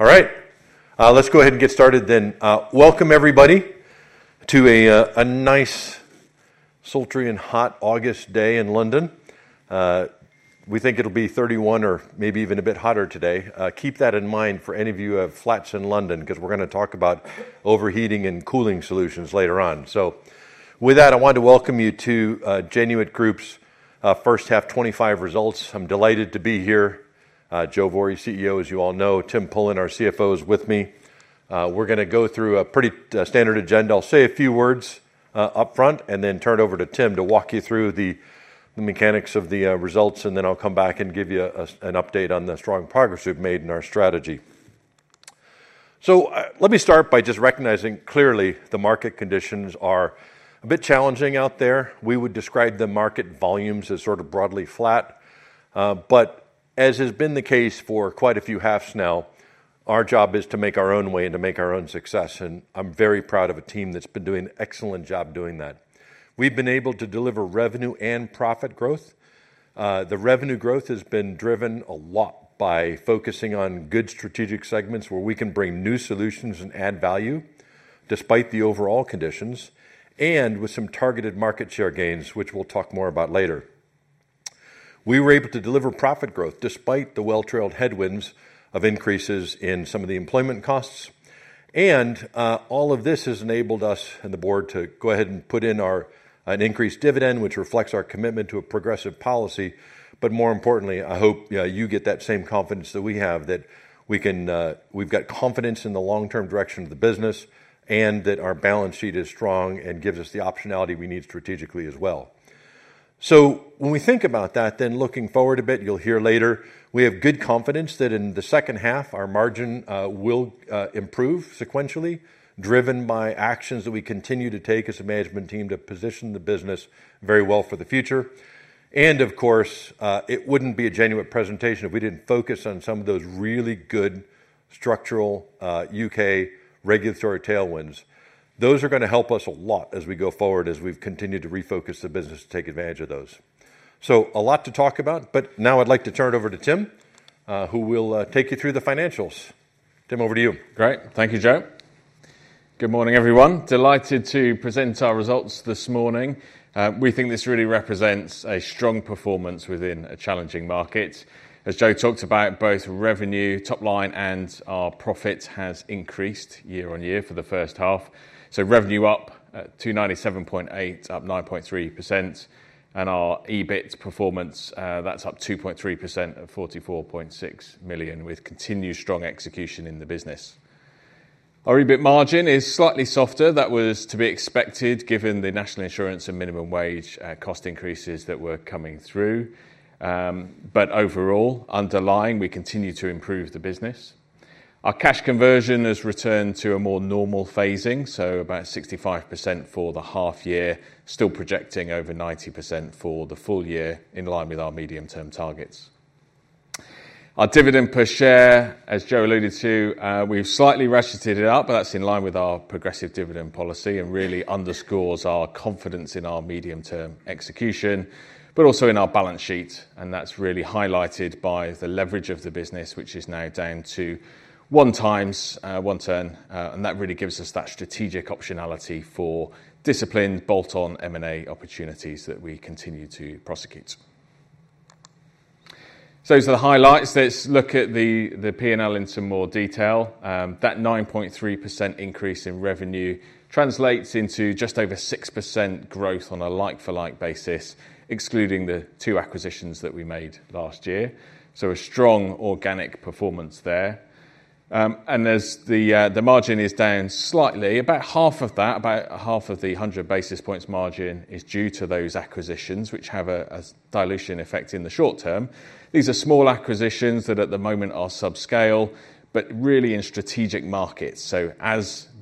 All right, let's go ahead and get started then. Welcome, everybody, to a nice, sultry, and hot August day in London. We think it'll be 31 degrees Celsius or maybe even a bit hotter today. Keep that in mind for any of you who have flats in London, because we're going to talk about overheating and cooling solutions later on. With that, I wanted to welcome you to Genuit Groups First Half 2025 Results. I'm delighted to be here. Joe Vorih, CEO, as you all know. Tim Pullen, our CFO, is with me. We're going to go through a pretty standard agenda. I'll say a few words up front and then turn it over to Tim to walk you through the mechanics of the results, and then I'll come back and give you an update on the strong progress we've made in our strategy. Let me start by just recognizing clearly the market conditions are a bit challenging out there. We would describe the market volumes as sort of broadly flat. As has been the case for quite a few halves now, our job is to make our own way and to make our own success. I'm very proud of a team that's been doing an excellent job doing that. We've been able to deliver revenue and profit growth. The revenue growth has been driven a lot by focusing on good strategic segments where we can bring new solutions and add value despite the overall conditions, and with some targeted market share gains, which we'll talk more about later. We were able to deliver profit growth despite the well-trailed headwinds of increases in some of the employment costs. All of this has enabled us and the board to go ahead and put in an increased dividend, which reflects our commitment to a progressive policy. More importantly, I hope you get that same confidence that we have, that we've got confidence in the long-term direction of the business and that our balance sheet is strong and gives us the optionality we need strategically as well. When we think about that, then looking forward a bit, you'll hear later, we have good confidence that in the second half, our margin will improve sequentially, driven by actions that we continue to take as a management team to position the business very well for the future. Of course, it wouldn't be a Genuit presentation if we didn't focus on some of those really good structural U.K. regulatory tailwinds. Those are going to help us a lot as we go forward, as we've continued to refocus the business to take advantage of those. A lot to talk about, but now I'd like to turn it over to Tim, who will take you through the financials. Tim, over to you. Great, thank you, Joe. Good morning, everyone. Delighted to present our results this morning. We think this really represents a strong performance within a challenging market. As Joe talked about, both revenue, top line, and our profits have increased year on year for the first half. Revenue up at 297.8 million, up 9.3%. Our EBIT performance, that's up 2.3% at 44.6 million, with continued strong execution in the business. Our EBIT margin is slightly softer. That was to be expected given the National Insurance and minimum wage cost increases that were coming through. Overall, underlying, we continue to improve the business. Our cash conversion has returned to a more normal phasing, so about 65% for the half year, still projecting over 90% for the full year in line with our medium-term targets. Our dividend per share, as Joe alluded to, we've slightly ratcheted it up, but that's in line with our progressive dividend policy and really underscores our confidence in our medium-term execution, but also in our balance sheet. That is really highlighted by the leverage of the business, which is now down to 1x. That really gives us that strategic optionality for disciplined bolt-on M&A opportunities that we continue to prosecute. For the highlights, let's look at the P&L in some more detail. That 9.3% increase in revenue translates into just over 6% growth on a like-for-like basis, excluding the two acquisitions that we made last year. A strong organic performance there. As the margin is down slightly, about half of that, about half of the 100 basis points margin is due to those acquisitions, which have a dilution effect in the short term. These are small acquisitions that at the moment ,are subscale, but really in strategic markets.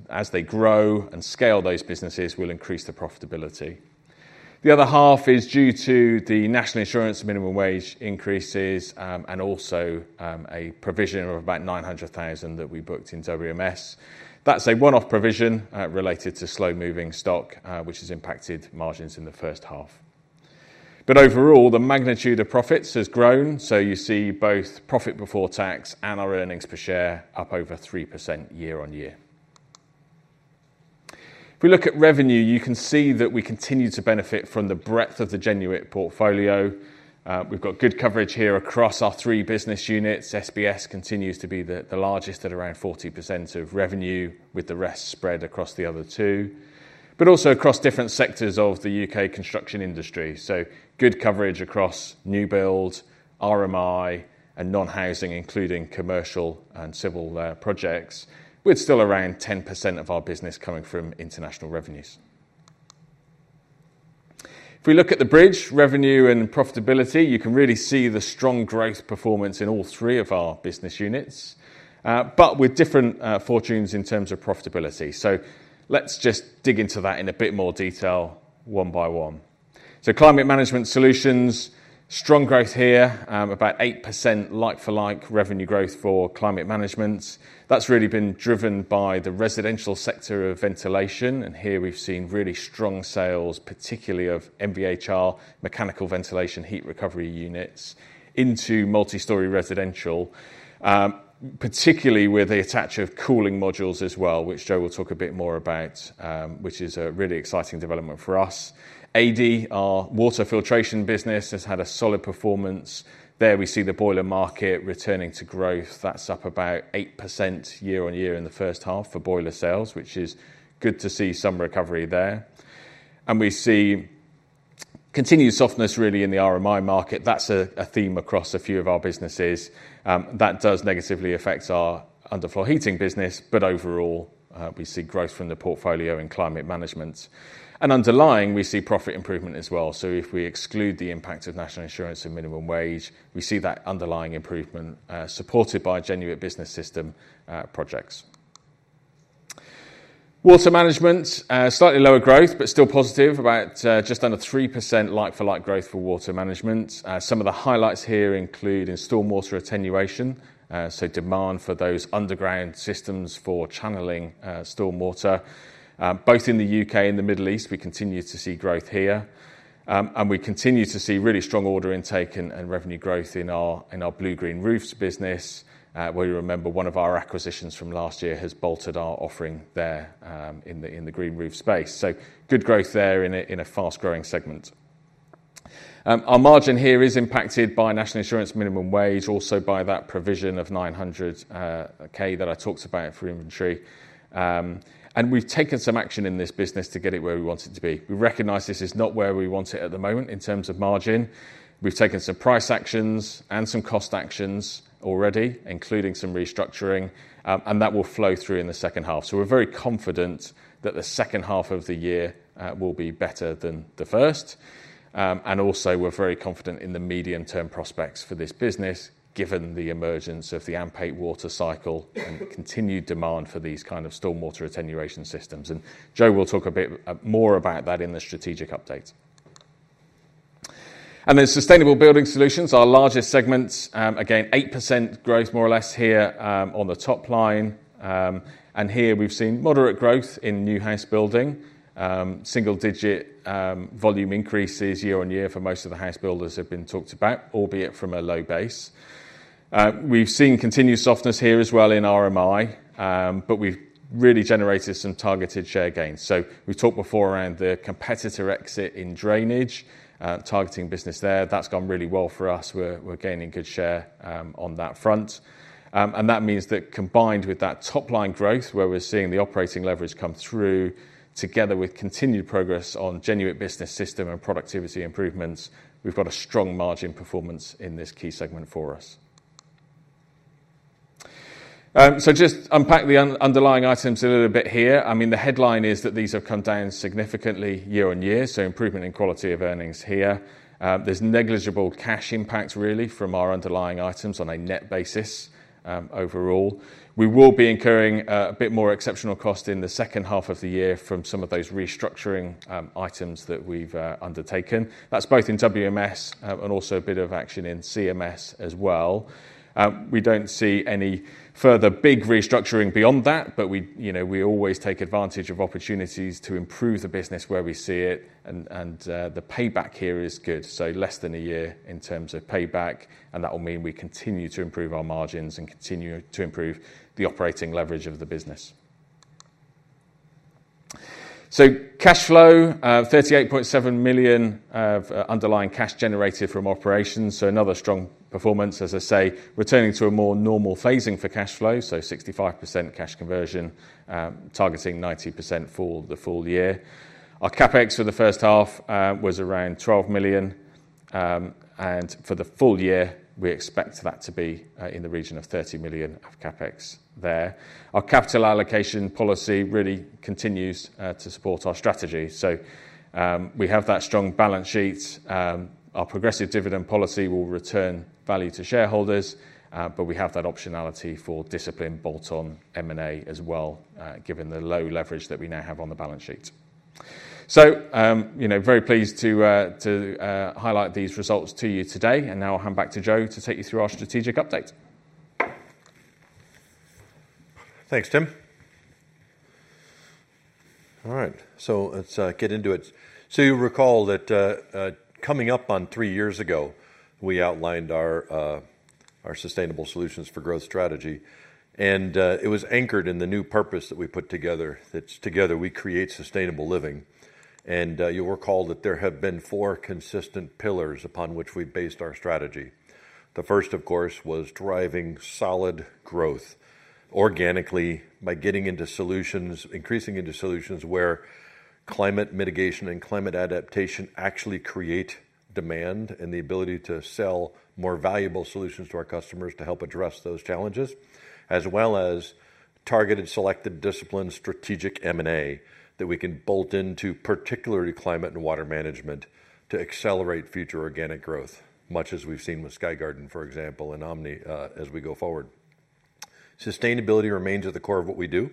As they grow and scale, those businesses will increase the profitability. The other half is due to the National Insurance and minimum wage increases and also a provision of about 900,000 that we booked in WMS. That's a one-off provision related to slow-moving stock, which has impacted margins in the first half. Overall, the magnitude of profits has grown. You see both profit before tax and our earnings per share up over 3% year-on-year. If we look at revenue, you can see that we continue to benefit from the breadth of the Genuit portfolio. We've got good coverage here across our three business units. SBS continues to be the largest at around 40% of revenue, with the rest spread across the other two, but also across different sectors of the U.K. construction industry. Good coverage across new build, RMI, and non-housing, including commercial and civil projects, with still around 10% of our business coming from international revenues. If we look at the bridge revenue and profitability, you can really see the strong growth performance in all three of our business units, but with different fortunes in terms of profitability. Let's just dig into that in a bit more detail one by one. Climate Management Solutions, strong growth here, about 8% like-for-like revenue growth for climate management. That's really been driven by the residential sector of ventilation. Here we've seen really strong sales, particularly of MVHR mechanical ventilation heat recovery units, into multi-story residential, particularly with the attach of cooling modules as well, which Joe will talk a bit more about, which is a really exciting development for us. AD, our water filtration business, has had a solid performance. There we see the boiler market returning to growth. That's up about 8% year-on-year in the first half for boiler sales, which is good to see some recovery there. We see continued softness really in the RMI market. That's a theme across a few of our businesses. That does negatively affect our underfloor heating business, but overall, we see growth from the portfolio in climate management. Underlying, we see profit improvement as well. If we exclude the impact of National Insurance and minimum wage, we see that underlying improvement supported by Genuit Business System projects. Water management, slightly lower growth, but still positive, about just under 3% like-for-like growth for water management. Some of the highlights here include in stormwater attenuation, so demand for those underground systems for channeling stormwater. Both in the U.K. and the Middle East, we continue to see growth here. We continue to see really strong order intake and revenue growth in our blue-green roofs business, where you remember one of our acquisitions from last year has bolted our offering there in the green roof space. Good growth there in a fast-growing segment. Our margin here is impacted by National Insurance Minimum Wage, also by that provision of 900,000 that I talked about for inventory. We have taken some action in this business to get it where we want it to be. We recognize this is not where we want it at the moment in terms of margin. We have taken some price actions and some cost actions already, including some restructuring, and that will flow through in the second half. We are very confident that the second half of the year will be better than the first. We are also very confident in the medium-term prospects for this business, given the emergence of the AMP8 water cycle and continued demand for these kinds of stormwater attenuation systems. Joe will talk a bit more about that in the strategic update. Sustainable Building Solutions, our largest segment, again, 8% growth more or less here on the top line. Here we have seen moderate growth in new house building. Single-digit volume increases year on year for most of the house builders have been talked about, albeit from a low base. We have seen continued softness here as well in RMI, but we have really generated some targeted share gains. We have talked before around the competitor exit in drainage, targeting business there. That has gone really well for us. We are gaining good share on that front. That means that combined with that top-line growth, we are seeing the operating leverage come through, together with continued progress on Genuit Business System and productivity improvements, we have a strong margin performance in this key segment for us. To unpack the underlying items a little bit here, the headline is that these have come down significantly year on year, so improvement in quality of earnings here. There is negligible cash impact, really, from our underlying items on a net basis overall. We will be incurring a bit more exceptional cost in the second half of the year from some of those restructuring items that we have undertaken. That is both in WMS and also a bit of action in CMS as well. We do not see any further big restructuring beyond that, but we always take advantage of opportunities to improve the business where we see it, and the payback here is good. Less than a year in terms of payback, and that will mean we continue to improve our margins and continue to improve the operating leverage of the business. Cash flow, 38.7 million underlying cash generated from operations, so another strong performance, returning to a more normal phasing for cash flow, 65% cash conversion, targeting 90% for the full year. Our CapEx for the first half was around 12 million, and for the full year, we expect that to be in the region of 30 million of CapEx there. Our capital allocation policy really continues to support our strategy. We have that strong balance sheet. Our progressive dividend policy will return value to shareholders, and we have that optionality for disciplined bolt-on M&A as well, given the low leverage that we now have on the balance sheet. Very pleased to highlight these results to you today, and now I'll hand back to Joe to take you through our strategic update. Thanks, Tim. All right, let's get into it. You recall that coming up on three years ago, we outlined our sustainable solutions for growth strategy, and it was anchored in the new purpose that we put together, that together we create sustainable living. You'll recall that there have been four consistent pillars upon which we based our strategy. The first, of course, was driving solid growth organically by getting into solutions, increasing into solutions where climate mitigation and climate adaptation actually create demand and the ability to sell more valuable solutions to our customers to help address those challenges, as well as targeted selected disciplines strategic M&A that we can bolt into particularly climate and water management to accelerate future organic growth, much as we've seen with Sky Garden, for example, and Omni as we go forward. Sustainability remains at the core of what we do,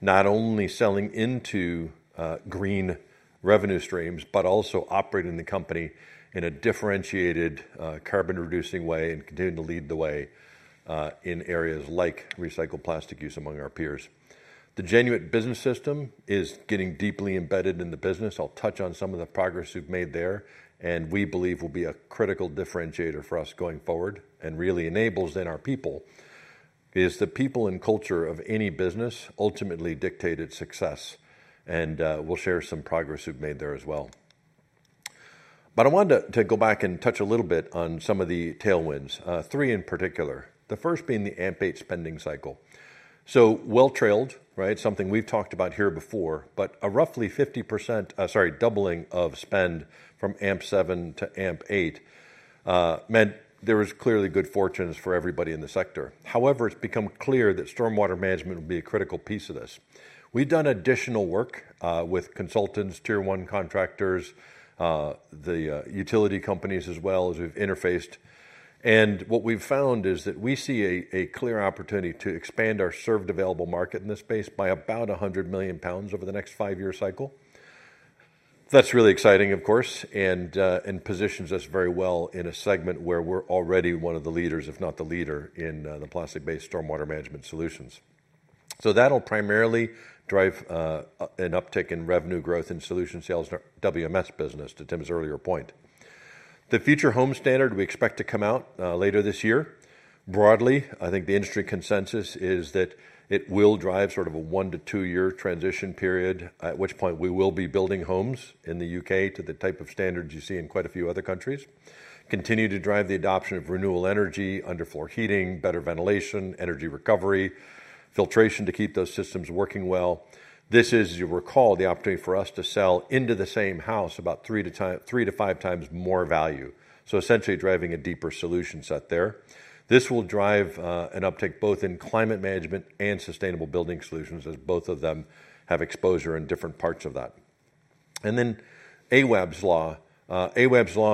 not only selling into green revenue streams, but also operating the company in a differentiated carbon-reducing way and continuing to lead the way in areas like recycled plastic use among our peers. The Genuit Business System is getting deeply embedded in the business. I'll touch on some of the progress we've made there, and we believe will be a critical differentiator for us going forward and really enables in our people. It's the people and culture of any business ultimately dictated success, and we'll share some progress we've made there as well. I wanted to go back and touch a little bit on some of the tailwinds, three in particular, the first being the AMP8 spending cycle. Well-trailed, right? Something we've talked about here before, but a roughly 50% doubling of spend from AMP7 to AMP8 meant there was clearly good fortunes for everybody in the sector. However, it's become clear that stormwater management would be a critical piece of this. We've done additional work with consultants, tier-one contractors, the utility companies as well as we've interfaced. What we've found is that we see a clear opportunity to expand our served available market in this space by about 100 million pounds over the next five-year cycle. That's really exciting, of course, and positions us very well in a segment where we're already one of the leaders, if not the leader, in the plastic-based stormwater management solutions. That'll primarily drive an uptick in revenue growth in solution sales in our WMS business to Tim's earlier point. The Future Homes Standard, we expect to come out later this year. Broadly, I think the industry consensus is that it will drive sort of a one to two-year transition period, at which point we will be building homes in the U.K. to the type of standards you see in quite a few other countries. Continue to drive the adoption of renewable energy, underfloor heating, better ventilation, energy recovery, filtration to keep those systems working well. This is, as you recall, the opportunity for us to sell into the same house about three to five times more value, essentially driving a deeper solution set there. This will drive an uptick both in Climate Management and Sustainable Building Solutions as both of them have exposure in different parts of that. Awaab’s Law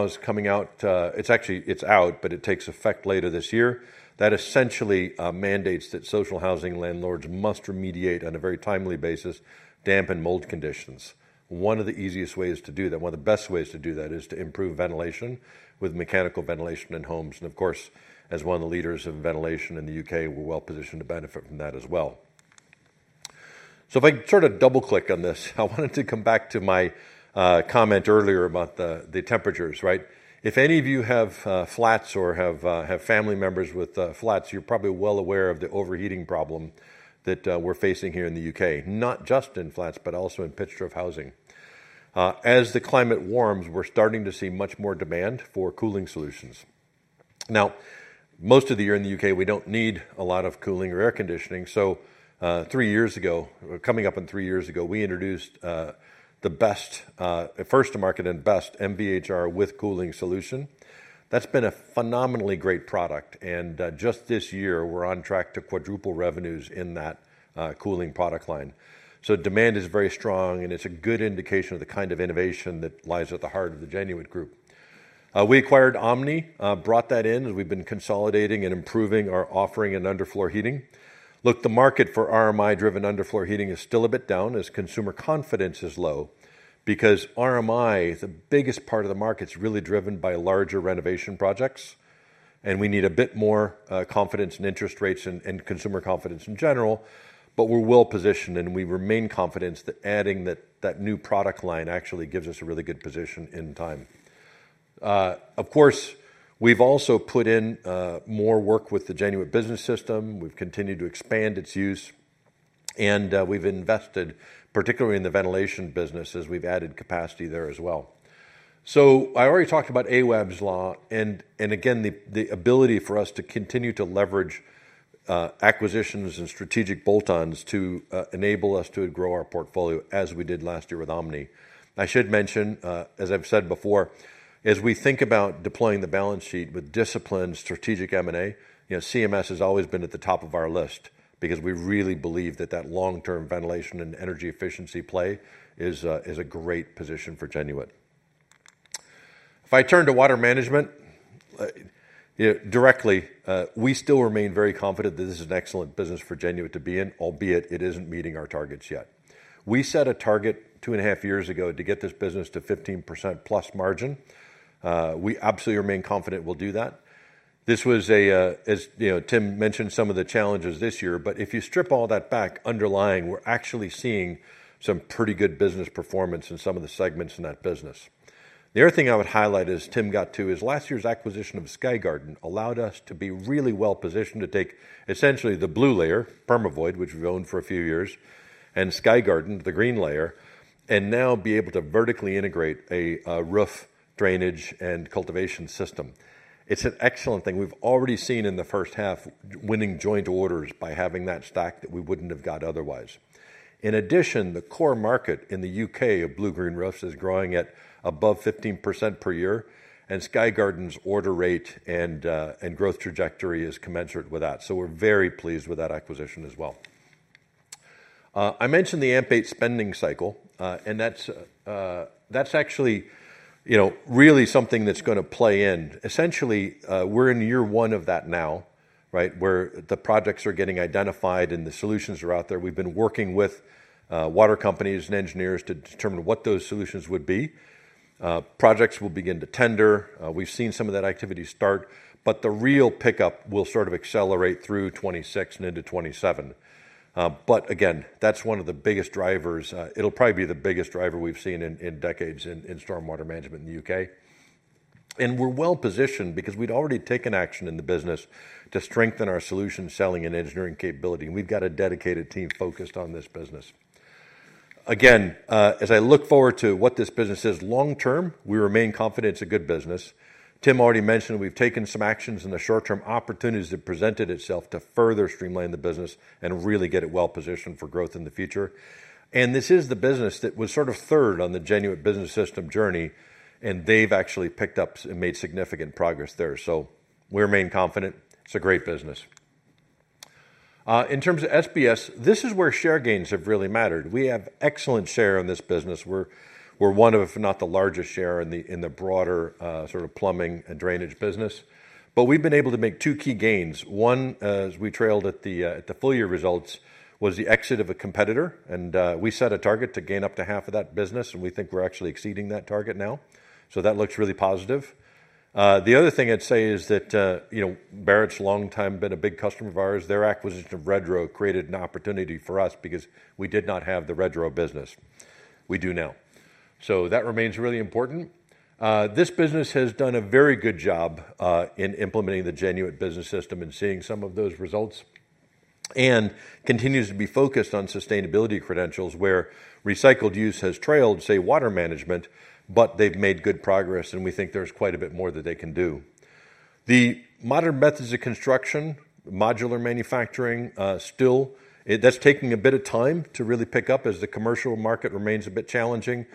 is coming out. It's actually, it's out, but it takes effect later this year. That essentially mandates that social housing landlords must remediate on a very timely basis damp and mold conditions. One of the easiest ways to do that, one of the best ways to do that is to improve ventilation with mechanical ventilation in homes. Of course, as one of the leaders of ventilation in the U.K., we're well positioned to benefit from that as well. If I sort of double click on this, I wanted to come back to my comment earlier about the temperatures, right? If any of you have flats or have family members with flats, you're probably well aware of the overheating problem that we're facing here in the U.K., not just in flats, but also in pitched roof housing. As the climate warms, we're starting to see much more demand for cooling solutions. Most of the year in the U.K., we don't need a lot of cooling or air conditioning. Three years ago, coming up on three years ago, we introduced the best, first to market and best MVHR with cooling modules. That's been a phenomenally great product. Just this year, we're on track to quadruple revenues in that cooling product line. Demand is very strong and it's a good indication of the kind of innovation that lies at the heart of Genuit Group plc. We acquired Omni, brought that in as we've been consolidating and improving our offering in underfloor heating. The market for RMI market-driven underfloor heating is still a bit down as consumer confidence is low because RMI, the biggest part of the market, is really driven by larger renovation projects. We need a bit more confidence in interest rates and consumer confidence in general, but we're well positioned and we remain confident that adding that new product line actually gives us a really good position in time. Of course, we've also put in more work with the Genuit Business System. We've continued to expand its use, and we've invested particularly in the ventilation business as we've added capacity there as well. I already talked about Awaab’s Law and again, the ability for us to continue to leverage acquisitions and strategic bolt-on M&A to enable us to grow our portfolio as we did last year with Omni. I should mention, as I've said before, as we think about deploying the balance sheet with disciplined strategic M&A, CMS has always been at the top of our list because we really believe that that long-term ventilation and energy efficiency play is a great position for Genuit. If I turn to water management directly, we still remain very confident that this is an excellent business for Genuit to be in, albeit it isn't meeting our targets yet. We set a target two and a half years ago to get this business to 15%+ margin. We absolutely remain confident we'll do that. This was, as Tim mentioned, some of the challenges this year, but if you strip all that back, underlying, we're actually seeing some pretty good business performance in some of the segments in that business. The other thing I would highlight is Tim got to is last year's acquisition of Sky Garden allowed us to be really well positioned to take essentially the blue layer, Permavoid, which we've owned for a few years, and Sky Garden, the green layer, and now be able to vertically integrate a roof drainage and cultivation system. It's an excellent thing. We've already seen in the first half winning joint orders by having that stack that we wouldn't have got otherwise. In addition, the core market in the U.K. of blue-green roofs is growing at above 15% per year, and Sky Garden's order rate and growth trajectory is commensurate with that. We're very pleased with that acquisition as well. I mentioned the AMP8 spending cycle, and that's actually really something that's going to play in. Essentially, we're in year one of that now, right, where the projects are getting identified and the solutions are out there. We've been working with water companies and engineers to determine what those solutions would be. Projects will begin to tender. We've seen some of that activity start, but the real pickup will sort of accelerate through 2026 and into 2027. That's one of the biggest drivers. It'll probably be the biggest driver we've seen in decades in stormwater management in the U.K.. We're well positioned because we'd already taken action in the business to strengthen our solution selling and engineering capability. We've got a dedicated team focused on this business. As I look forward to what this business is long term, we remain confident it's a good business. Tim already mentioned we've taken some actions in the short term, opportunities that presented itself to further streamline the business and really get it well positioned for growth in the future. This is the business that was sort of third on the Genuit Business System journey, and they've actually picked up and made significant progress there. We remain confident it's a great business. In terms of SBS, this is where share gains have really mattered. We have excellent share in this business. We're one of, if not the largest share in the broader sort of plumbing and drainage business. We've been able to make two key gains. One, as we trailed at the full year results, was the exit of a competitor, and we set a target to gain up to half of that business, and we think we're actually exceeding that target now. That looks really positive. The other thing I'd say is that Barratt's long time been a big customer of ours. Their acquisition of Redrow created an opportunity for us because we did not have the Redrow business. We do now. That remains really important. This business has done a very good job in implementing the Genuit Business System and seeing some of those results and continues to be focused on sustainability credentials where recycled use has trailed, say, water management, but they've made good progress and we think there's quite a bit more that they can do. The modern methods of construction, modular manufacturing, still, that's taking a bit of time to really pick up as the commercial market remains a bit challenging.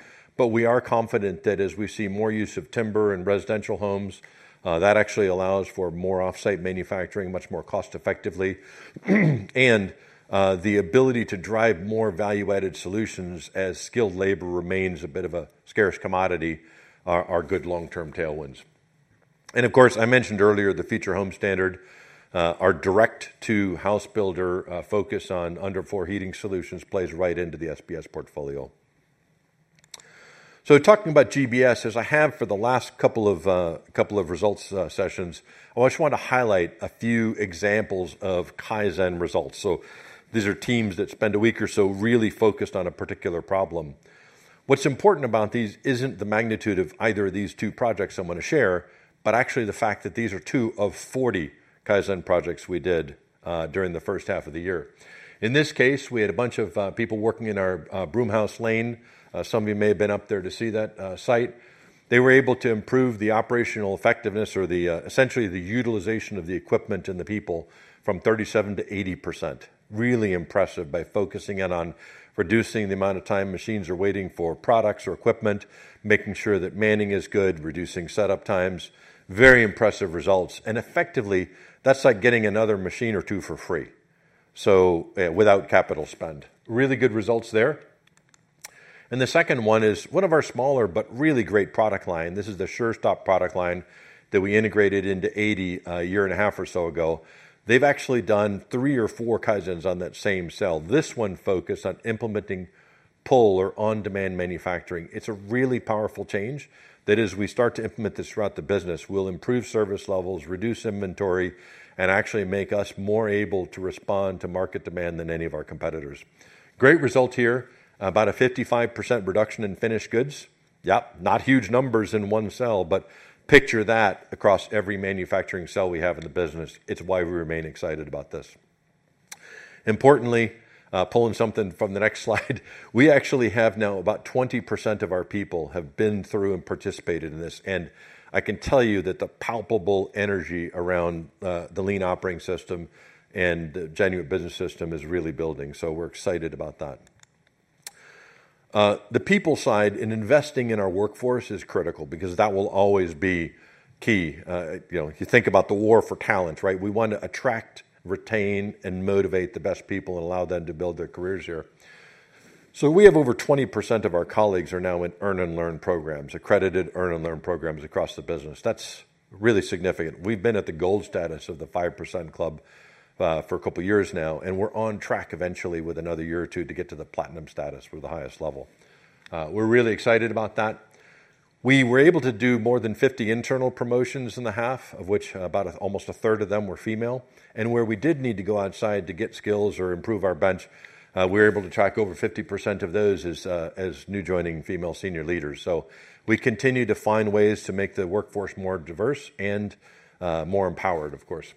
We are confident that as we see more use of timber in residential homes, that actually allows for more offsite manufacturing much more cost-effectively. The ability to drive more value-added solutions as skilled labor remains a bit of a scarce commodity are good long-term tailwinds. Of course, I mentioned earlier the Future Homes Standard, our direct-to-house builder focus on underfloor heating solutions plays right into the SBS portfolio. Talking about GBS, as I have for the last couple of results sessions, I just want to highlight a few examples of Kaizen results. These are teams that spend a week or so really focused on a particular problem. What's important about these isn't the magnitude of either of these two projects I want to share, but actually the fact that these are two of 40 Kaizen projects we did during the first half of the year. In this case, we had a bunch of people working in our Broomhouse Lane. Some of you may have been up there to see that site. They were able to improve the operational effectiveness or essentially the utilization of the equipment and the people from 37%-80%. Really impressive by focusing in on reducing the amount of time machines are waiting for products or equipment, making sure that manning is good, reducing setup times. Very impressive results. Effectively, that's like getting another machine or two for free, without capital spend. Really good results there. The second one is one of our smaller but really great product lines. This is the SureStop product line that we integrated into AD a year and a half or so ago. They've actually done three or four Kaizens on that same cell. This one focused on implementing pull or on-demand manufacturing. It's a really powerful change that as we start to implement this throughout the business, we'll improve service levels, reduce inventory, and actually make us more able to respond to market demand than any of our competitors. Great result here. About a 55% reduction in finished goods. Yep, not huge numbers in one cell, but picture that across every manufacturing cell we have in the business. It's why we remain excited about this. Importantly, pulling something from the next slide, we actually have now about 20% of our people have been through and participated in this. I can tell you that the palpable energy around the lean operating system and the Genuit Business System is really building. We're excited about that. The people side in investing in our workforce is critical because that will always be key. You know, if you think about the war for talent, right? We want to attract, retain, and motivate the best people and allow them to build their careers here. We have over 20% of our colleagues who are now in earn and learn programs, accredited earn and learn programs across the business. That's really significant. We've been at the gold status of the 5% Club for a couple of years now, and we're on track eventually with another year or two to get to the platinum status for the highest level. We're really excited about that. We were able to do more than 50 internal promotions in the half, of which about almost a third of them were female. Where we did need to go outside to get skills or improve our bench, we were able to attract over 50% of those as new joining female senior leaders. We continue to find ways to make the workforce more diverse and more empowered, of course.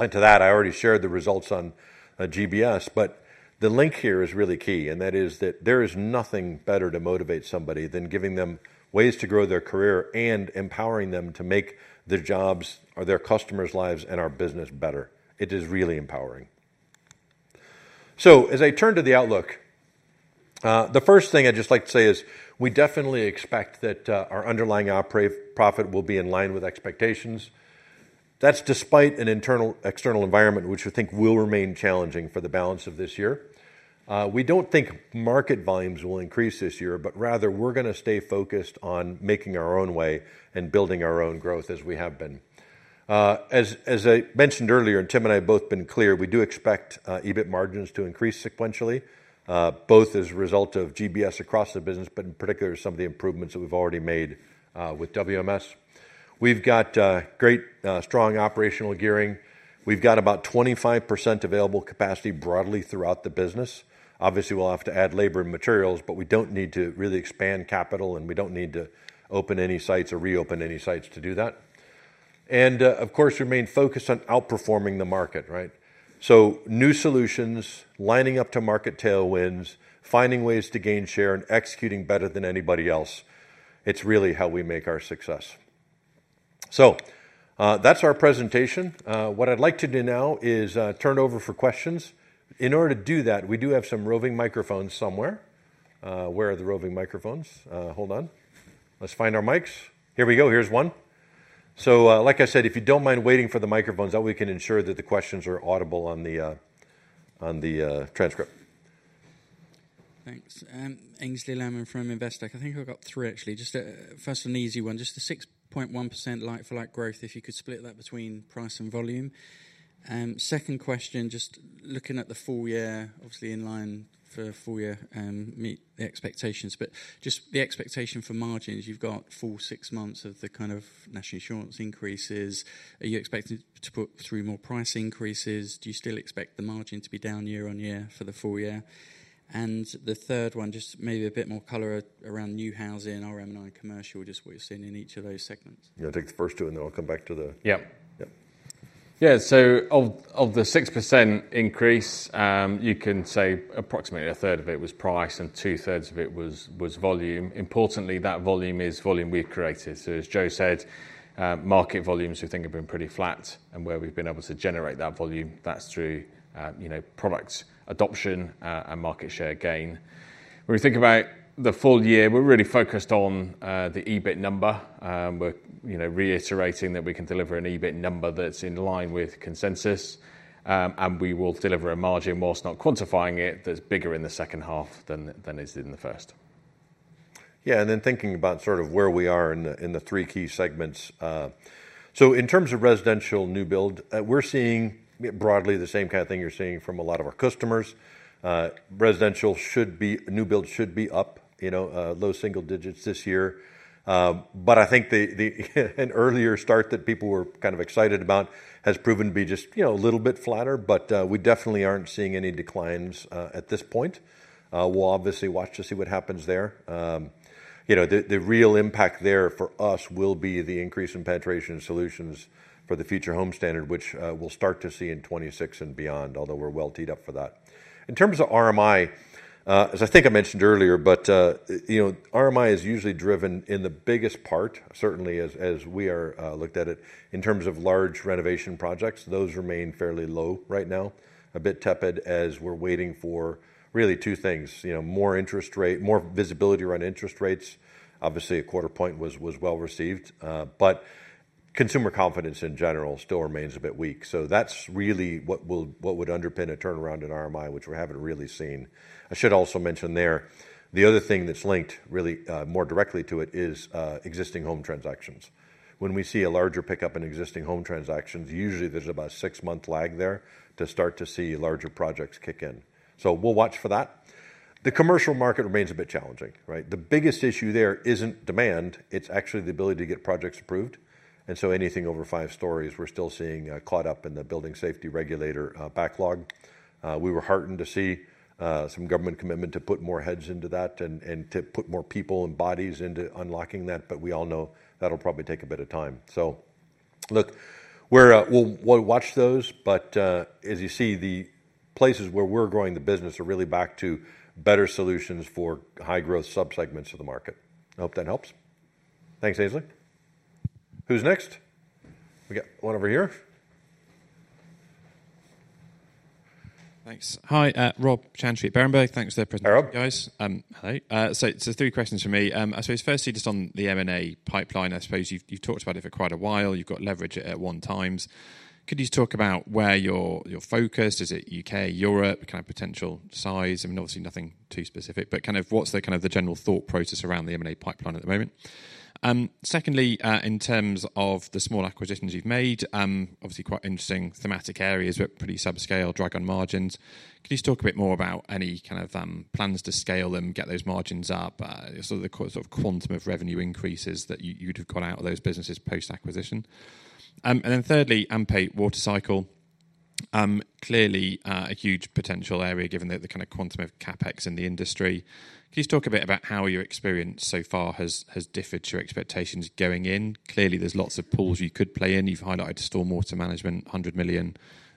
To that, I already shared the results on GBS, but the link here is really key, and that is that there is nothing better to motivate somebody than giving them ways to grow their career and empowering them to make their jobs or their customers' lives and our business better. It is really empowering. As I turn to the outlook, the first thing I'd just like to say is we definitely expect that our underlying operating profit will be in line with expectations. That's despite an internal and external environment, which we think will remain challenging for the balance of this year. We don't think market volumes will increase this year, but rather we're going to stay focused on making our own way and building our own growth as we have been. As I mentioned earlier, and Tim and I have both been clear, we do expect EBIT margins to increase sequentially, both as a result of GBS across the business, but in particular some of the improvements that we've already made with WMS. We've got great strong operational gearing. We've got about 25% available capacity broadly throughout the business. Obviously, we'll have to add labor and materials, but we don't need to really expand capital, and we don't need to open any sites or reopen any sites to do that. We remain focused on outperforming the market, right? New solutions, lining up to market tailwinds, finding ways to gain share, and executing better than anybody else. It's really how we make our success. That's our presentation. What I'd like to do now is turn over for questions. In order to do that, we do have some roving microphones somewhere. Where are the roving microphones? Hold on. Let's find our mics. Here we go. Here's one. If you don't mind waiting for the microphones, that way we can ensure that the questions are audible on the transcript. Thanks. [Ainsley Stillhammer] from Investec. I think I've got three, actually. The first one, the easy one, just the 6.1% like-for-like growth, if you could split that between price and volume. The second question, just looking at the full year, obviously in line for a full year and meet the expectations, but just the expectation for margins, you've got full six months of the kind of national insurance increases. Are you expecting to put through more price increases? Do you still expect the margin to be down year-on-year for the full year? The third one, just maybe a bit more color around new housing, RMI, and commercial, just what you're seeing in each of those segments. Yeah, I think the first two, and then I'll come back to the... Yeah. Of the 6% increase, you can say approximately a third of it was price and two-thirds of it was volume. Importantly, that volume is volume we've created. As Joe said, market volumes we think have been pretty flat and where we've been able to generate that volume, that's through product adoption and market share gain. When we think about the full year, we're really focused on the EBIT number. We're reiterating that we can deliver an EBIT number that's in line with consensus, and we will deliver a margin, whilst not quantifying it, that's bigger in the second half than it is in the first. Yeah, and then thinking about sort of where we are in the three key segments. In terms of residential new build, we're seeing broadly the same kind of thing you're seeing from a lot of our customers. Residential should be, new build should be up, you know, low single digits this year. I think the earlier start that people were kind of excited about has proven to be just, you know, a little bit flatter, but we definitely aren't seeing any declines at this point. We'll obviously watch to see what happens there. The real impact there for us will be the increase in penetration solutions for the Future Homes Standard, which we'll start to see in 2026 and beyond, although we're well teed up for that. In terms of RMI, as I think I mentioned earlier, but you know, RMI is usually driven in the biggest part, certainly as we looked at it in terms of large renovation projects. Those remain fairly low right now, a bit tepid as we're waiting for really two things, you know, more interest rate, more visibility around interest rates. Obviously, a quarter point was well received, but consumer confidence in general still remains a bit weak. That's really what would underpin a turnaround in RMI, which we haven't really seen. I should also mention there, the other thing that's linked really more directly to it is existing home transactions. When we see a larger pickup in existing home transactions, usually there's about a six-month lag there to start to see larger projects kick in. We'll watch for that. The commercial market remains a bit challenging, right? The biggest issue there isn't demand. It's actually the ability to get projects approved. Anything over five stories, we're still seeing caught up in the Building Safety Regulator backlog. We were heartened to see some government commitment to put more heads into that and to put more people and bodies into unlocking that, but we all know that'll probably take a bit of time. We'll watch those, but as you see, the places where we're growing the business are really back to better solutions for high-growth sub-segments of the market. I hope that helps. Thanks, Ainsley. Who's next? We got one over here. Thanks. Hi, Rob Chantry, Berenberg. Thanks for the presentation, guys. Three questions for me. Firstly, just on the M&A pipeline, you've talked about it for quite a while. You've got leverage at one time. Could you just talk about where you're focused? Is it U.K., Europe? Kind of potential size? Obviously nothing too specific, but what's the general thought process around the M&A pipeline at the moment? Secondly, in terms of the small acquisitions you've made, obviously quite interesting thematic areas, but pretty subscale, drag on margins. Could you just talk a bit more about any plans to scale them, get those margins up, sort of the quantum of revenue increases that you'd have got out of those businesses post-acquisition? Thirdly, AMP8 water cycle, clearly a huge potential area given the kind of quantum of CapEx in the industry. Could you talk a bit about how your experience so far has differed to your expectations going in? Clearly, there's lots of pools you could play in. You've highlighted stormwater management, 100 million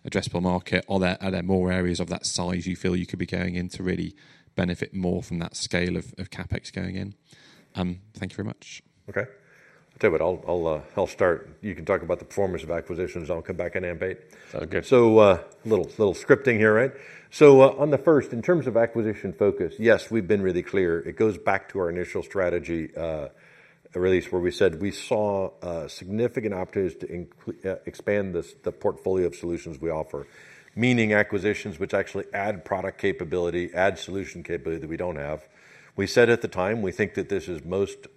addressable market. Are there more areas of that size you feel you could be going in to really benefit more from that scale of CapEx going in? Thank you very much. Okay. I'll do it. I'll start. You can talk about the performance of acquisitions. I'll come back on AMP8. A little scripting here, right? On the first, in terms of acquisition focus, yes, we've been really clear. It goes back to our initial strategy release where we said we saw significant opportunities to expand the portfolio of solutions we offer, meaning acquisitions which actually add product capability, add solution capability that we don't have. We said at the time, we think that this is most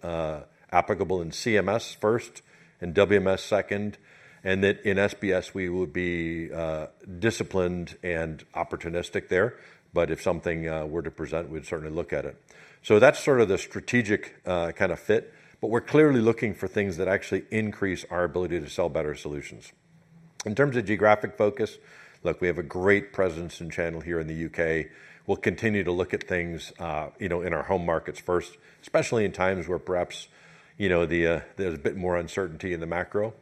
applicable in CMS first and WMS second, and that in SBS we would be disciplined and opportunistic there. If something were to present, we'd certainly look at it. That's sort of the strategic kind of fit, but we're clearly looking for things that actually increase our ability to sell better solutions. In terms of geographic focus, look, we have a great presence and channel here in the U.K.. We'll continue to look at things in our home markets first, especially in times where perhaps there's a bit more uncertainty in the macro.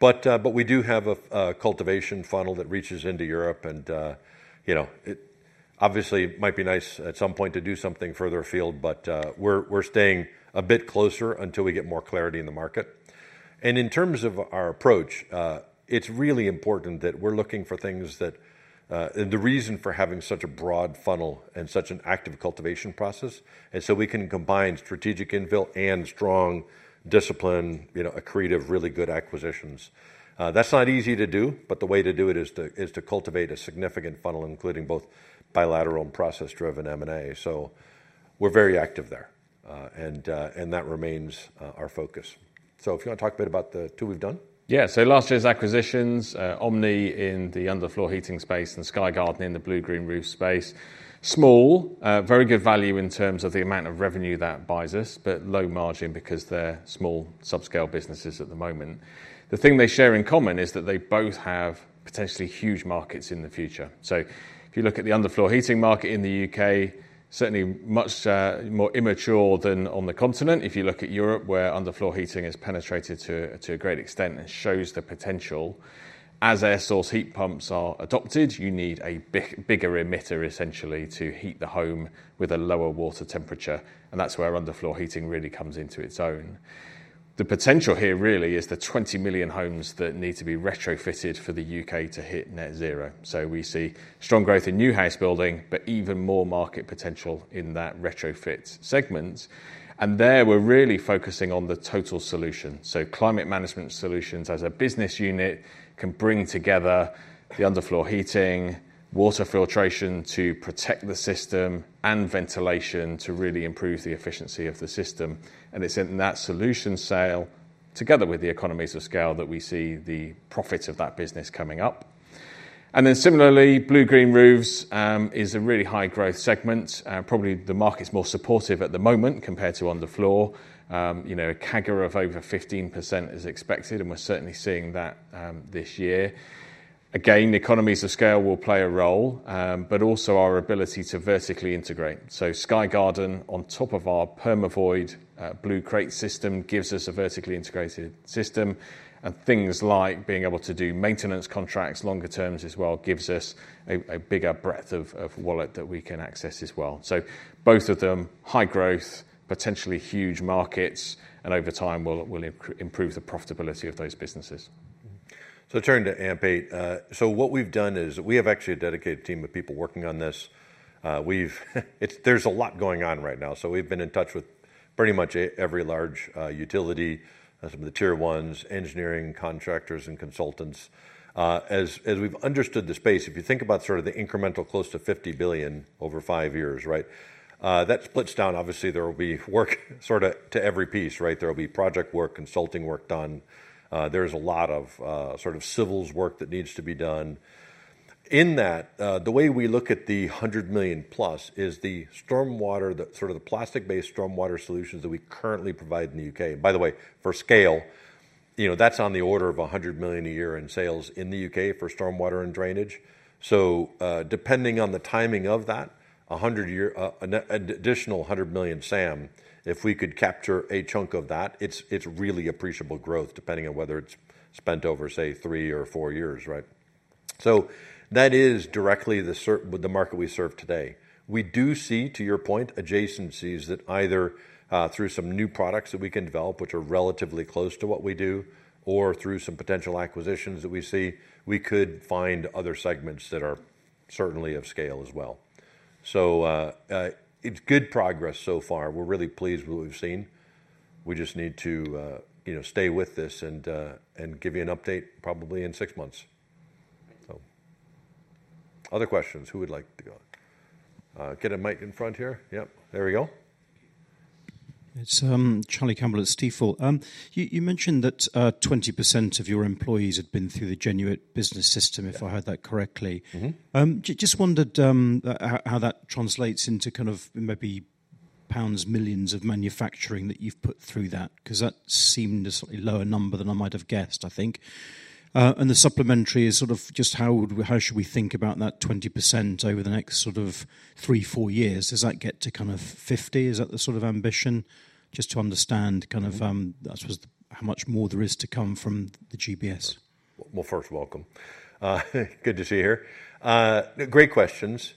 We do have a cultivation funnel that reaches into Europe, and it obviously might be nice at some point to do something further afield, but we're staying a bit closer until we get more clarity in the market. In terms of our approach, it's really important that we're looking for things that, and the reason for having such a broad funnel and such an active cultivation process, is so we can combine strategic infill and strong discipline, a creative really good acquisitions. That's not easy to do, but the way to do it is to cultivate a significant funnel, including both bilateral and process-driven M&A. We're very active there, and that remains our focus. If you want to talk a bit about the two we've done? Yeah, so last year's acquisitions, Omni in the underfloor heating space and Sky Garden in the blue-green roof space, small, very good value in terms of the amount of revenue that buys us, but low margin because they're small subscale businesses at the moment. The thing they share in common is that they both have potentially huge markets in the future. If you look at the underfloor heating market in the U.K., certainly much more immature than on the continent. If you look at Europe, where underfloor heating has penetrated to a great extent and shows the potential, as air source heat pumps are adopted, you need a bigger emitter essentially to heat the home with a lower water temperature, and that's where underfloor heating really comes into its own. The potential here really is the 20 million homes that need to be retrofitted for the U.K. to hit net zero. We see strong growth in new house building, but even more market potential in that retrofit segment. There we're really focusing on the total solution. Climate Management Solutions as a business unit can bring together the underfloor heating, water filtration to protect the system, and ventilation to really improve the efficiency of the system. It's in that solution sale together with the economies of scale that we see the profit of that business coming up. Similarly, blue-green roofs is a really high growth segment. Probably the market's more supportive at the moment compared to on the floor. A CAGR of over 15% is expected, and we're certainly seeing that this year. Again, economies of scale will play a role, but also our ability to vertically integrate. Sky Garden on top of our Permavoid blue crate system gives us a vertically integrated system, and things like being able to do maintenance contracts longer terms as well gives us a bigger breadth of wallet that we can access as well. Both of them, high growth, potentially huge markets, and over time will improve the profitability of those businesses. I turn to AMP8. What we've done is we have actually a dedicated team of people working on this. There's a lot going on right now. We've been in touch with pretty much every large utility, some of the tier ones, engineering, contractors, and consultants. As we've understood the space, if you think about sort of the incremental close to 50 billion over five years, that splits down. Obviously, there will be work to every piece. There'll be project work, consulting work done. There's a lot of civils work that needs to be done. In that, the way we look at the 100 million plus is the stormwater, the plastic-based stormwater solutions that we currently provide in the U.K.. By the way, for scale, that's on the order of 100 million a year in sales in the U.K. for stormwater and drainage. Depending on the timing of that, an additional 100 million SAM, if we could capture a chunk of that, it's really appreciable growth depending on whether it's spent over, say, three or four years. That is directly the market we serve today. We do see, to your point, adjacencies that either through some new products that we can develop, which are relatively close to what we do, or through some potential acquisitions that we see, we could find other segments that are certainly of scale as well. It's good progress so far. We're really pleased with what we've seen. We just need to stay with this and give you an update probably in six months. Other questions? Who would like to go? Get a mic in front here. Yep, there we go. It's Charlie Campbell at Stifel. You mentioned that 20% of your employees had been through the Genuit Business System, if I heard that correctly. I just wondered how that translates into maybe pounds, millions of manufacturing that you've put through that, because that seemed a slightly lower number than I might have guessed, I think. The supplementary is just how should we think about that 20% over the next three, four years? Does that get to 50%? Is that the sort of ambition? I just want to understand how much more there is to come from the GBS. First, welcome. Good to see you here. Great questions.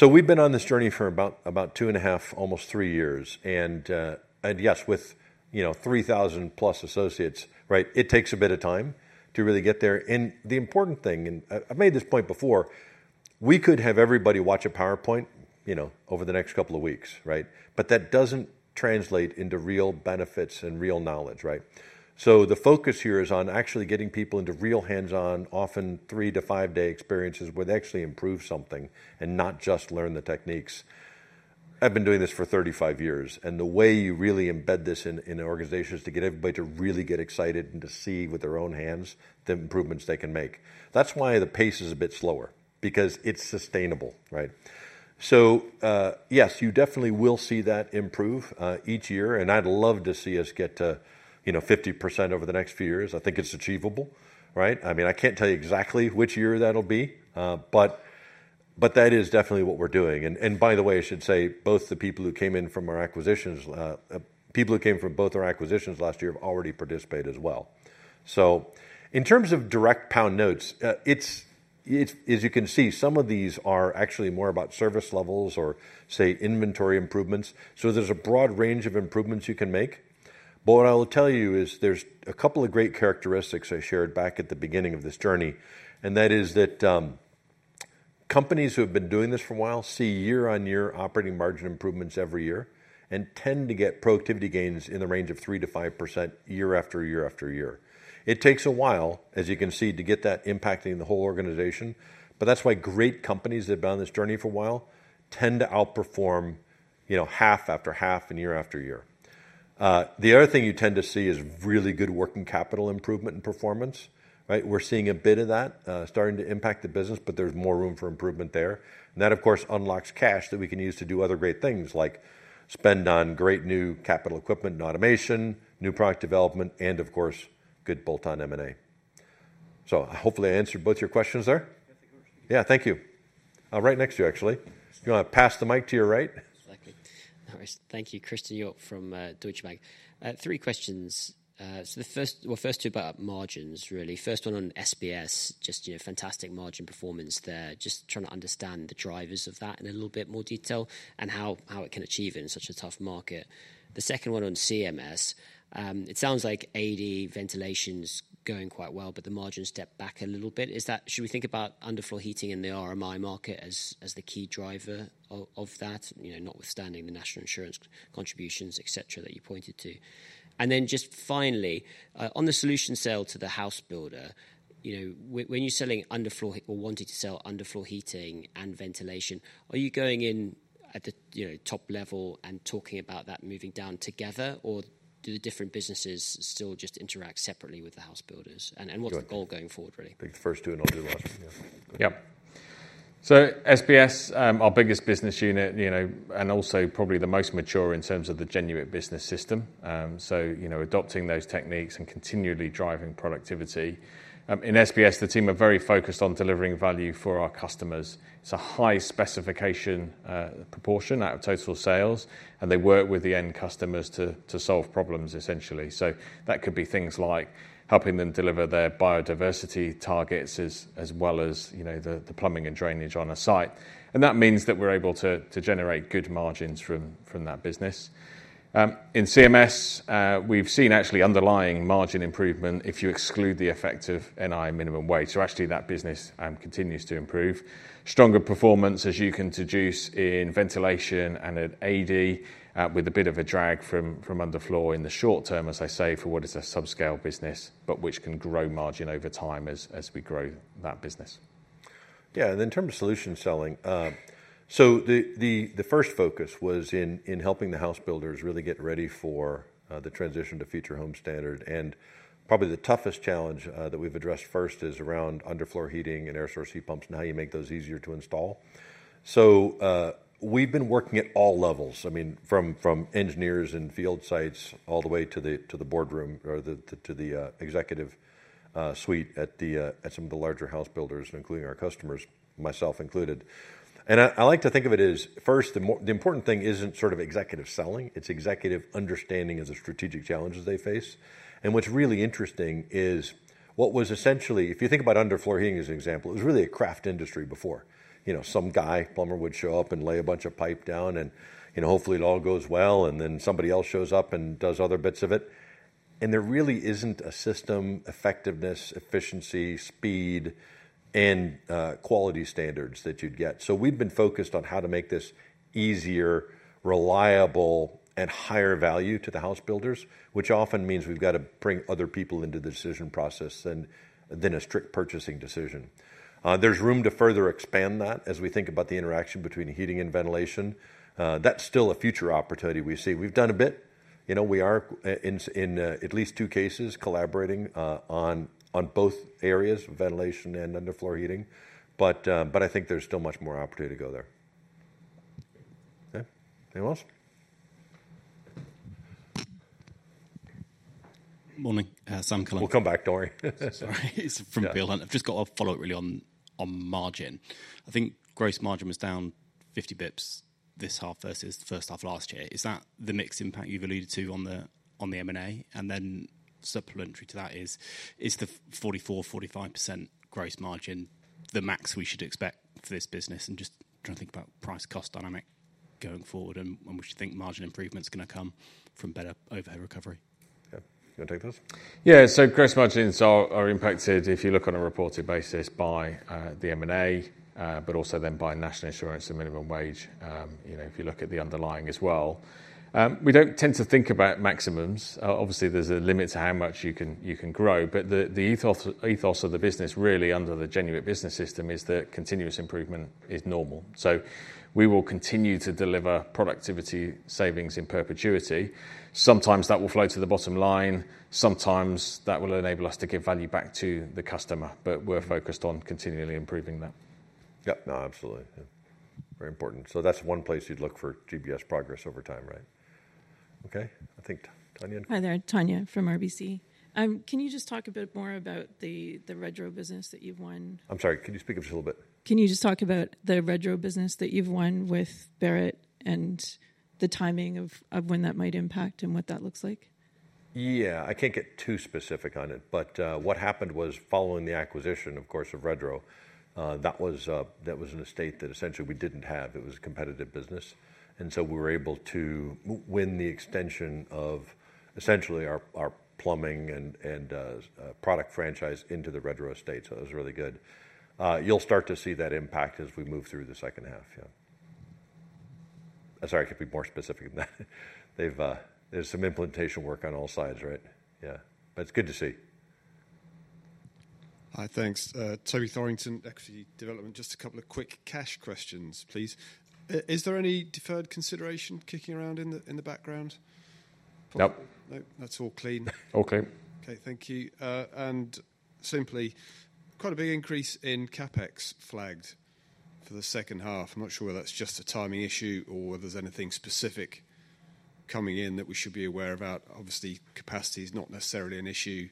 We have been on this journey for about two and a half, almost three years. Yes, with 3,000+ associates, it takes a bit of time to really get there. The important thing, and I made this point before, is we could have everybody watch a PowerPoint over the next couple of weeks, but that does not translate into real benefits and real knowledge. The focus here is on actually getting people into real hands-on, often three to five-day experiences where they actually improve something and not just learn the techniques. I have been doing this for 35 years, and the way you really embed this in an organization is to get everybody to really get excited and to see with their own hands the improvements they can make. That is why the pace is a bit slower, because it is sustainable. You definitely will see that improve each year, and I would love to see us get to 50% over the next few years. I think it is achievable. I cannot tell you exactly which year that will be, but that is definitely what we are doing. By the way, I should say both the people who came in from our acquisitions, people who came from both our acquisitions last year, have already participated as well. In terms of direct pound notes, as you can see, some of these are actually more about service levels or, say, inventory improvements. There is a broad range of improvements you can make. What I will tell you is there are a couple of great characteristics I shared back at the beginning of this journey, and that is that companies who have been doing this for a while see year-on-year operating margin improvements every year and tend to get productivity gains in the range of 3%-5% year after year after year. It takes a while, as you can see, to get that impacting the whole organization, but that is why great companies that have been on this journey for a while tend to outperform half after half and year after year. The other thing you tend to see is really good working capital improvement and performance. We are seeing a bit of that starting to impact the business, but there is more room for improvement there. That, of course, unlocks cash that we can use to do other great things, like spend on great new capital equipment and automation, new product development, and, of course, good bolt-on M&A. Hopefully, I answered both your questions there. Thank you. I will write next to you, actually. You want to pass the mic to your right? Thank you. Thank you, [Chris Diop] from Deutsche Bank. Three questions. The first, first two about margins, really. First one on SBS, just, you know, fantastic margin performance there. Just trying to understand the drivers of that in a little bit more detail and how it can achieve it in such a tough market. The second one on CMS, it sounds like AD ventilation is going quite well, but the margin stepped back a little bit. Should we think about underfloor heating in the RMI market as the key driver of that, notwithstanding the national insurance contributions, et cetera, that you pointed to? Finally, on the solution sale to the house builder, you know, when you're selling underfloor or wanting to sell underfloor heating and ventilation, are you going in at the top level and talking about that moving down together, or do the different businesses still just interact separately with the house builders? What's the goal going forward, really? I think the first two are not going to last. Yeah. SBS, our biggest business unit, and also probably the most mature in terms of the Genuit Business System, adopting those techniques and continually driving productivity. In SBS, the team are very focused on delivering value for our customers. It's a high specification proportion out of total sales, and they work with the end customers to solve problems, essentially. That could be things like helping them deliver their biodiversity targets as well as the plumbing and drainage on a site. That means that we're able to generate good margins from that business. In CMS, we've seen actually underlying margin improvement if you exclude the effect of NI minimum wage. That business continues to improve. Stronger performance, as you can deduce, in ventilation and at AD with a bit of a drag from underfloor in the short term, as I say, for what is a subscale business, but which can grow margin over time as we grow that business. Yeah, in terms of solution selling, the first focus was in helping the house builders really get ready for the transition to Future Homes Standard. Probably the toughest challenge that we've addressed first is around underfloor heating and air source heat pumps and how you make those easier to install. We've been working at all levels, from engineers and field sites all the way to the boardroom or to the executive suite at some of the larger house builders, including our customers, myself included. I like to think of it as, first, the important thing isn't sort of executive selling. It's executive understanding of the strategic challenges they face. What's really interesting is what was essentially, if you think about underfloor heating as an example, it was really a craft industry before. You know, some guy plumber would show up and lay a bunch of pipe down and, you know, hopefully it all goes well and then somebody else shows up and does other bits of it. There really isn't a system effectiveness, efficiency, speed, and quality standards that you'd get. We've been focused on how to make this easier, reliable, and higher value to the house builders, which often means we've got to bring other people into the decision process than a strict purchasing decision. There's room to further expand that as we think about the interaction between heating and ventilation. That's still a future opportunity we see. We've done a bit, you know, we are in at least two cases collaborating on both areas, ventilation and underfloor heating, but I think there's still much more opportunity to go there. Okay, anything else? Morning. Sam. We'll come back, Tori. Sorry, he's from Bill. I've just got a follow-up really on margin. I think gross margin was down 50 bps this half versus the first half last year. Is that the mix impact you've alluded to on the M&A? Then supplementary to that, is the 44%-45% gross margin the max we should expect for this business? I'm just trying to think about price-cost dynamic going forward and when we should think margin improvement's going to come from better overhead recovery. Yeah, so gross margins are impacted, if you look on a reported basis, by the M&A, but also then by national insurance and minimum wage. If you look at the underlying as well, we don't tend to think about maximums. Obviously, there's a limit to how much you can grow, but the ethos of the business really under the Genuit Business is that continuous improvement is normal. We will continue to deliver productivity savings in perpetuity. Sometimes that will flow to the bottom line. Sometimes that will enable us to give value back to the customer, but we're focused on continually improving that. Yeah, no, absolutely. Very important. That's one place you'd look for GBS progress over time, right? Okay, I think Tanya. Hi there, Tanya from RBC. Can you just talk a bit more about the Redrow business that you've won? I'm sorry, could you speak up just a little bit? Can you just talk about the Redrow business that you've won with Barratt and the timing of when that might impact and what that looks like? I can't get too specific on it, but what happened was following the acquisition, of course, of Redrow, that was an estate that essentially we didn't have. It was a competitive business, and we were able to win the extension of essentially our plumbing and product franchise into the Redrow estate. That was really good. You'll start to see that impact as we move through the second half. Sorry, I should be more specific than that. There's some implementation work on all sides, but it's good to see. Hi, thanks. Toby Thorrington, Equity Development. Just a couple of quick cash questions, please. Is there any deferred consideration kicking around in the background? Nope. Nope, that's all clean. All clean. Thank you. Quite a big increase in CapEx flagged for the second half. I'm not sure whether that's just a timing issue or whether there's anything specific coming in that we should be aware about. Obviously, capacity is not necessarily an issue.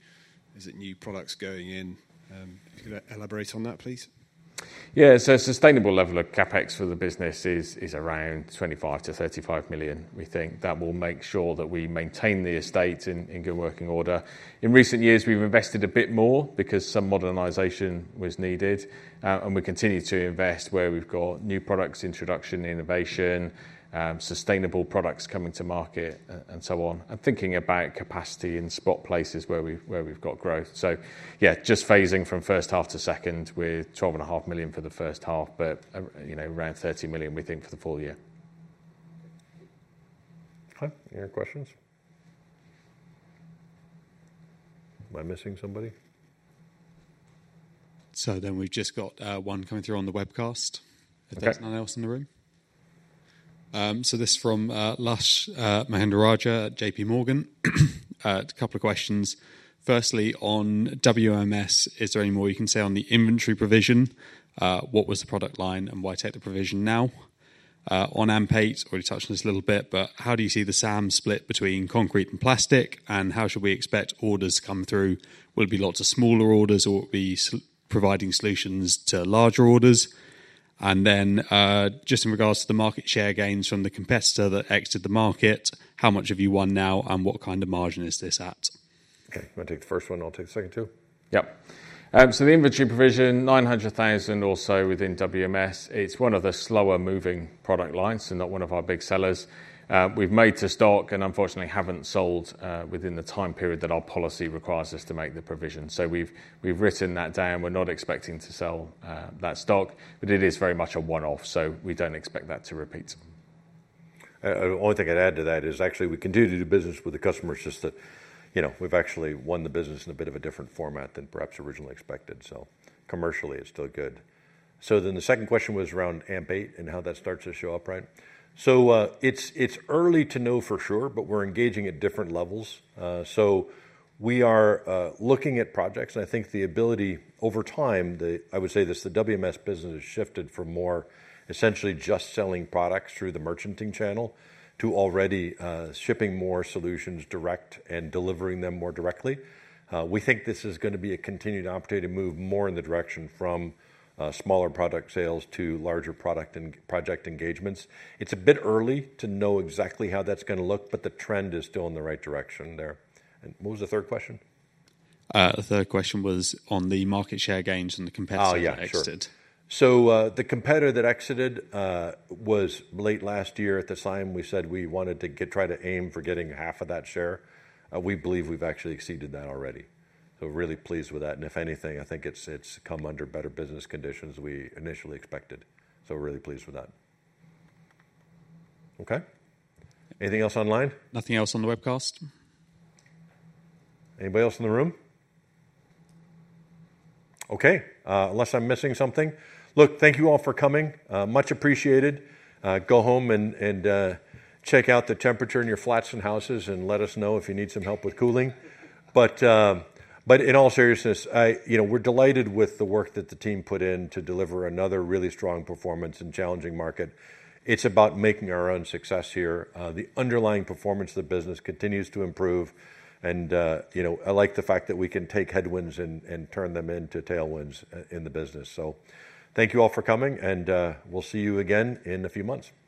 Is it new products going in? Can you elaborate on that, please? A sustainable level of CapEx for the business is around 25 million-35 million. We think that will make sure that we maintain the estate in good working order. In recent years, we've invested a bit more because some modernization was needed, and we continue to invest where we've got new products introduction, innovation, sustainable products coming to market, and so on. I'm thinking about capacity in spot places where we've got growth. Just phasing from first half to second with 12.5 million for the first half, but around 30 million for the full year. Okay, any other questions? Am I missing somebody? We've just got one coming through on the webcast. I think there's none else in the room. This is from Lush Mahendrarajah at JPMorgan. A couple of questions. Firstly, on WMS, is there any more you can say on the inventory provision? What was the product line and why take the provision now? On AMP8, we already touched on this a little bit, but how do you see the SAM split between concrete and plastic, and how should we expect orders to come through? Will it be lots of smaller orders, or will it be providing solutions to larger orders? Just in regards to the market share gains from the competitor that exited the market, how much have you won now, and what kind of margin is this at? Okay, you want to take the first one, and I'll take the second two. Yeah. The inventory provision, 900,000 or so within WMS, it's one of the slower moving product lines and not one of our big sellers. We've made to stock and unfortunately haven't sold within the time period that our policy requires us to make the provision. We've written that down. We're not expecting to sell that stock. It is very much a one-off, so we don't expect that to repeat. The only thing I'd add to that is we continue to do the business with the customers, just that we've actually won the business in a bit of a different format than perhaps originally expected. Commercially, it's still good. The second question was around AMP8 and how that starts to show up, right? It's early to know for sure, but we're engaging at different levels. We are looking at projects, and I think the ability over time, I would say this, the WMS business has shifted from more essentially just selling products through the merchanting channel to already shipping more solutions direct and delivering them more directly. We think this is going to be a continued opportunity to move more in the direction from smaller product sales to larger product and project engagements. It's a bit early to know exactly how that's going to look, but the trend is still in the right direction there. What was the third question? The third question was on the market share gains and the competitor that exited. Yeah, sure. The competitor that exited was late last year. At the time, we said we wanted to try to aim for getting half of that share. We believe we've actually exceeded that already. We're really pleased with that. If anything, I think it's come under better business conditions than we initially expected. We're really pleased with that. Okay. Anything else online? Nothing else on the webcast. Anybody else in the room? Okay, unless I'm missing something. Thank you all for coming. Much appreciated. Go home and check out the temperature in your flats and houses and let us know if you need some help with cooling. In all seriousness, we're delighted with the work that the team put in to deliver another really strong performance in a challenging market. It's about making our own success here. The underlying performance of the business continues to improve. I like the fact that we can take headwinds and turn them into tailwinds in the business. Thank you all for coming, and we'll see you again in a few months. Cheers.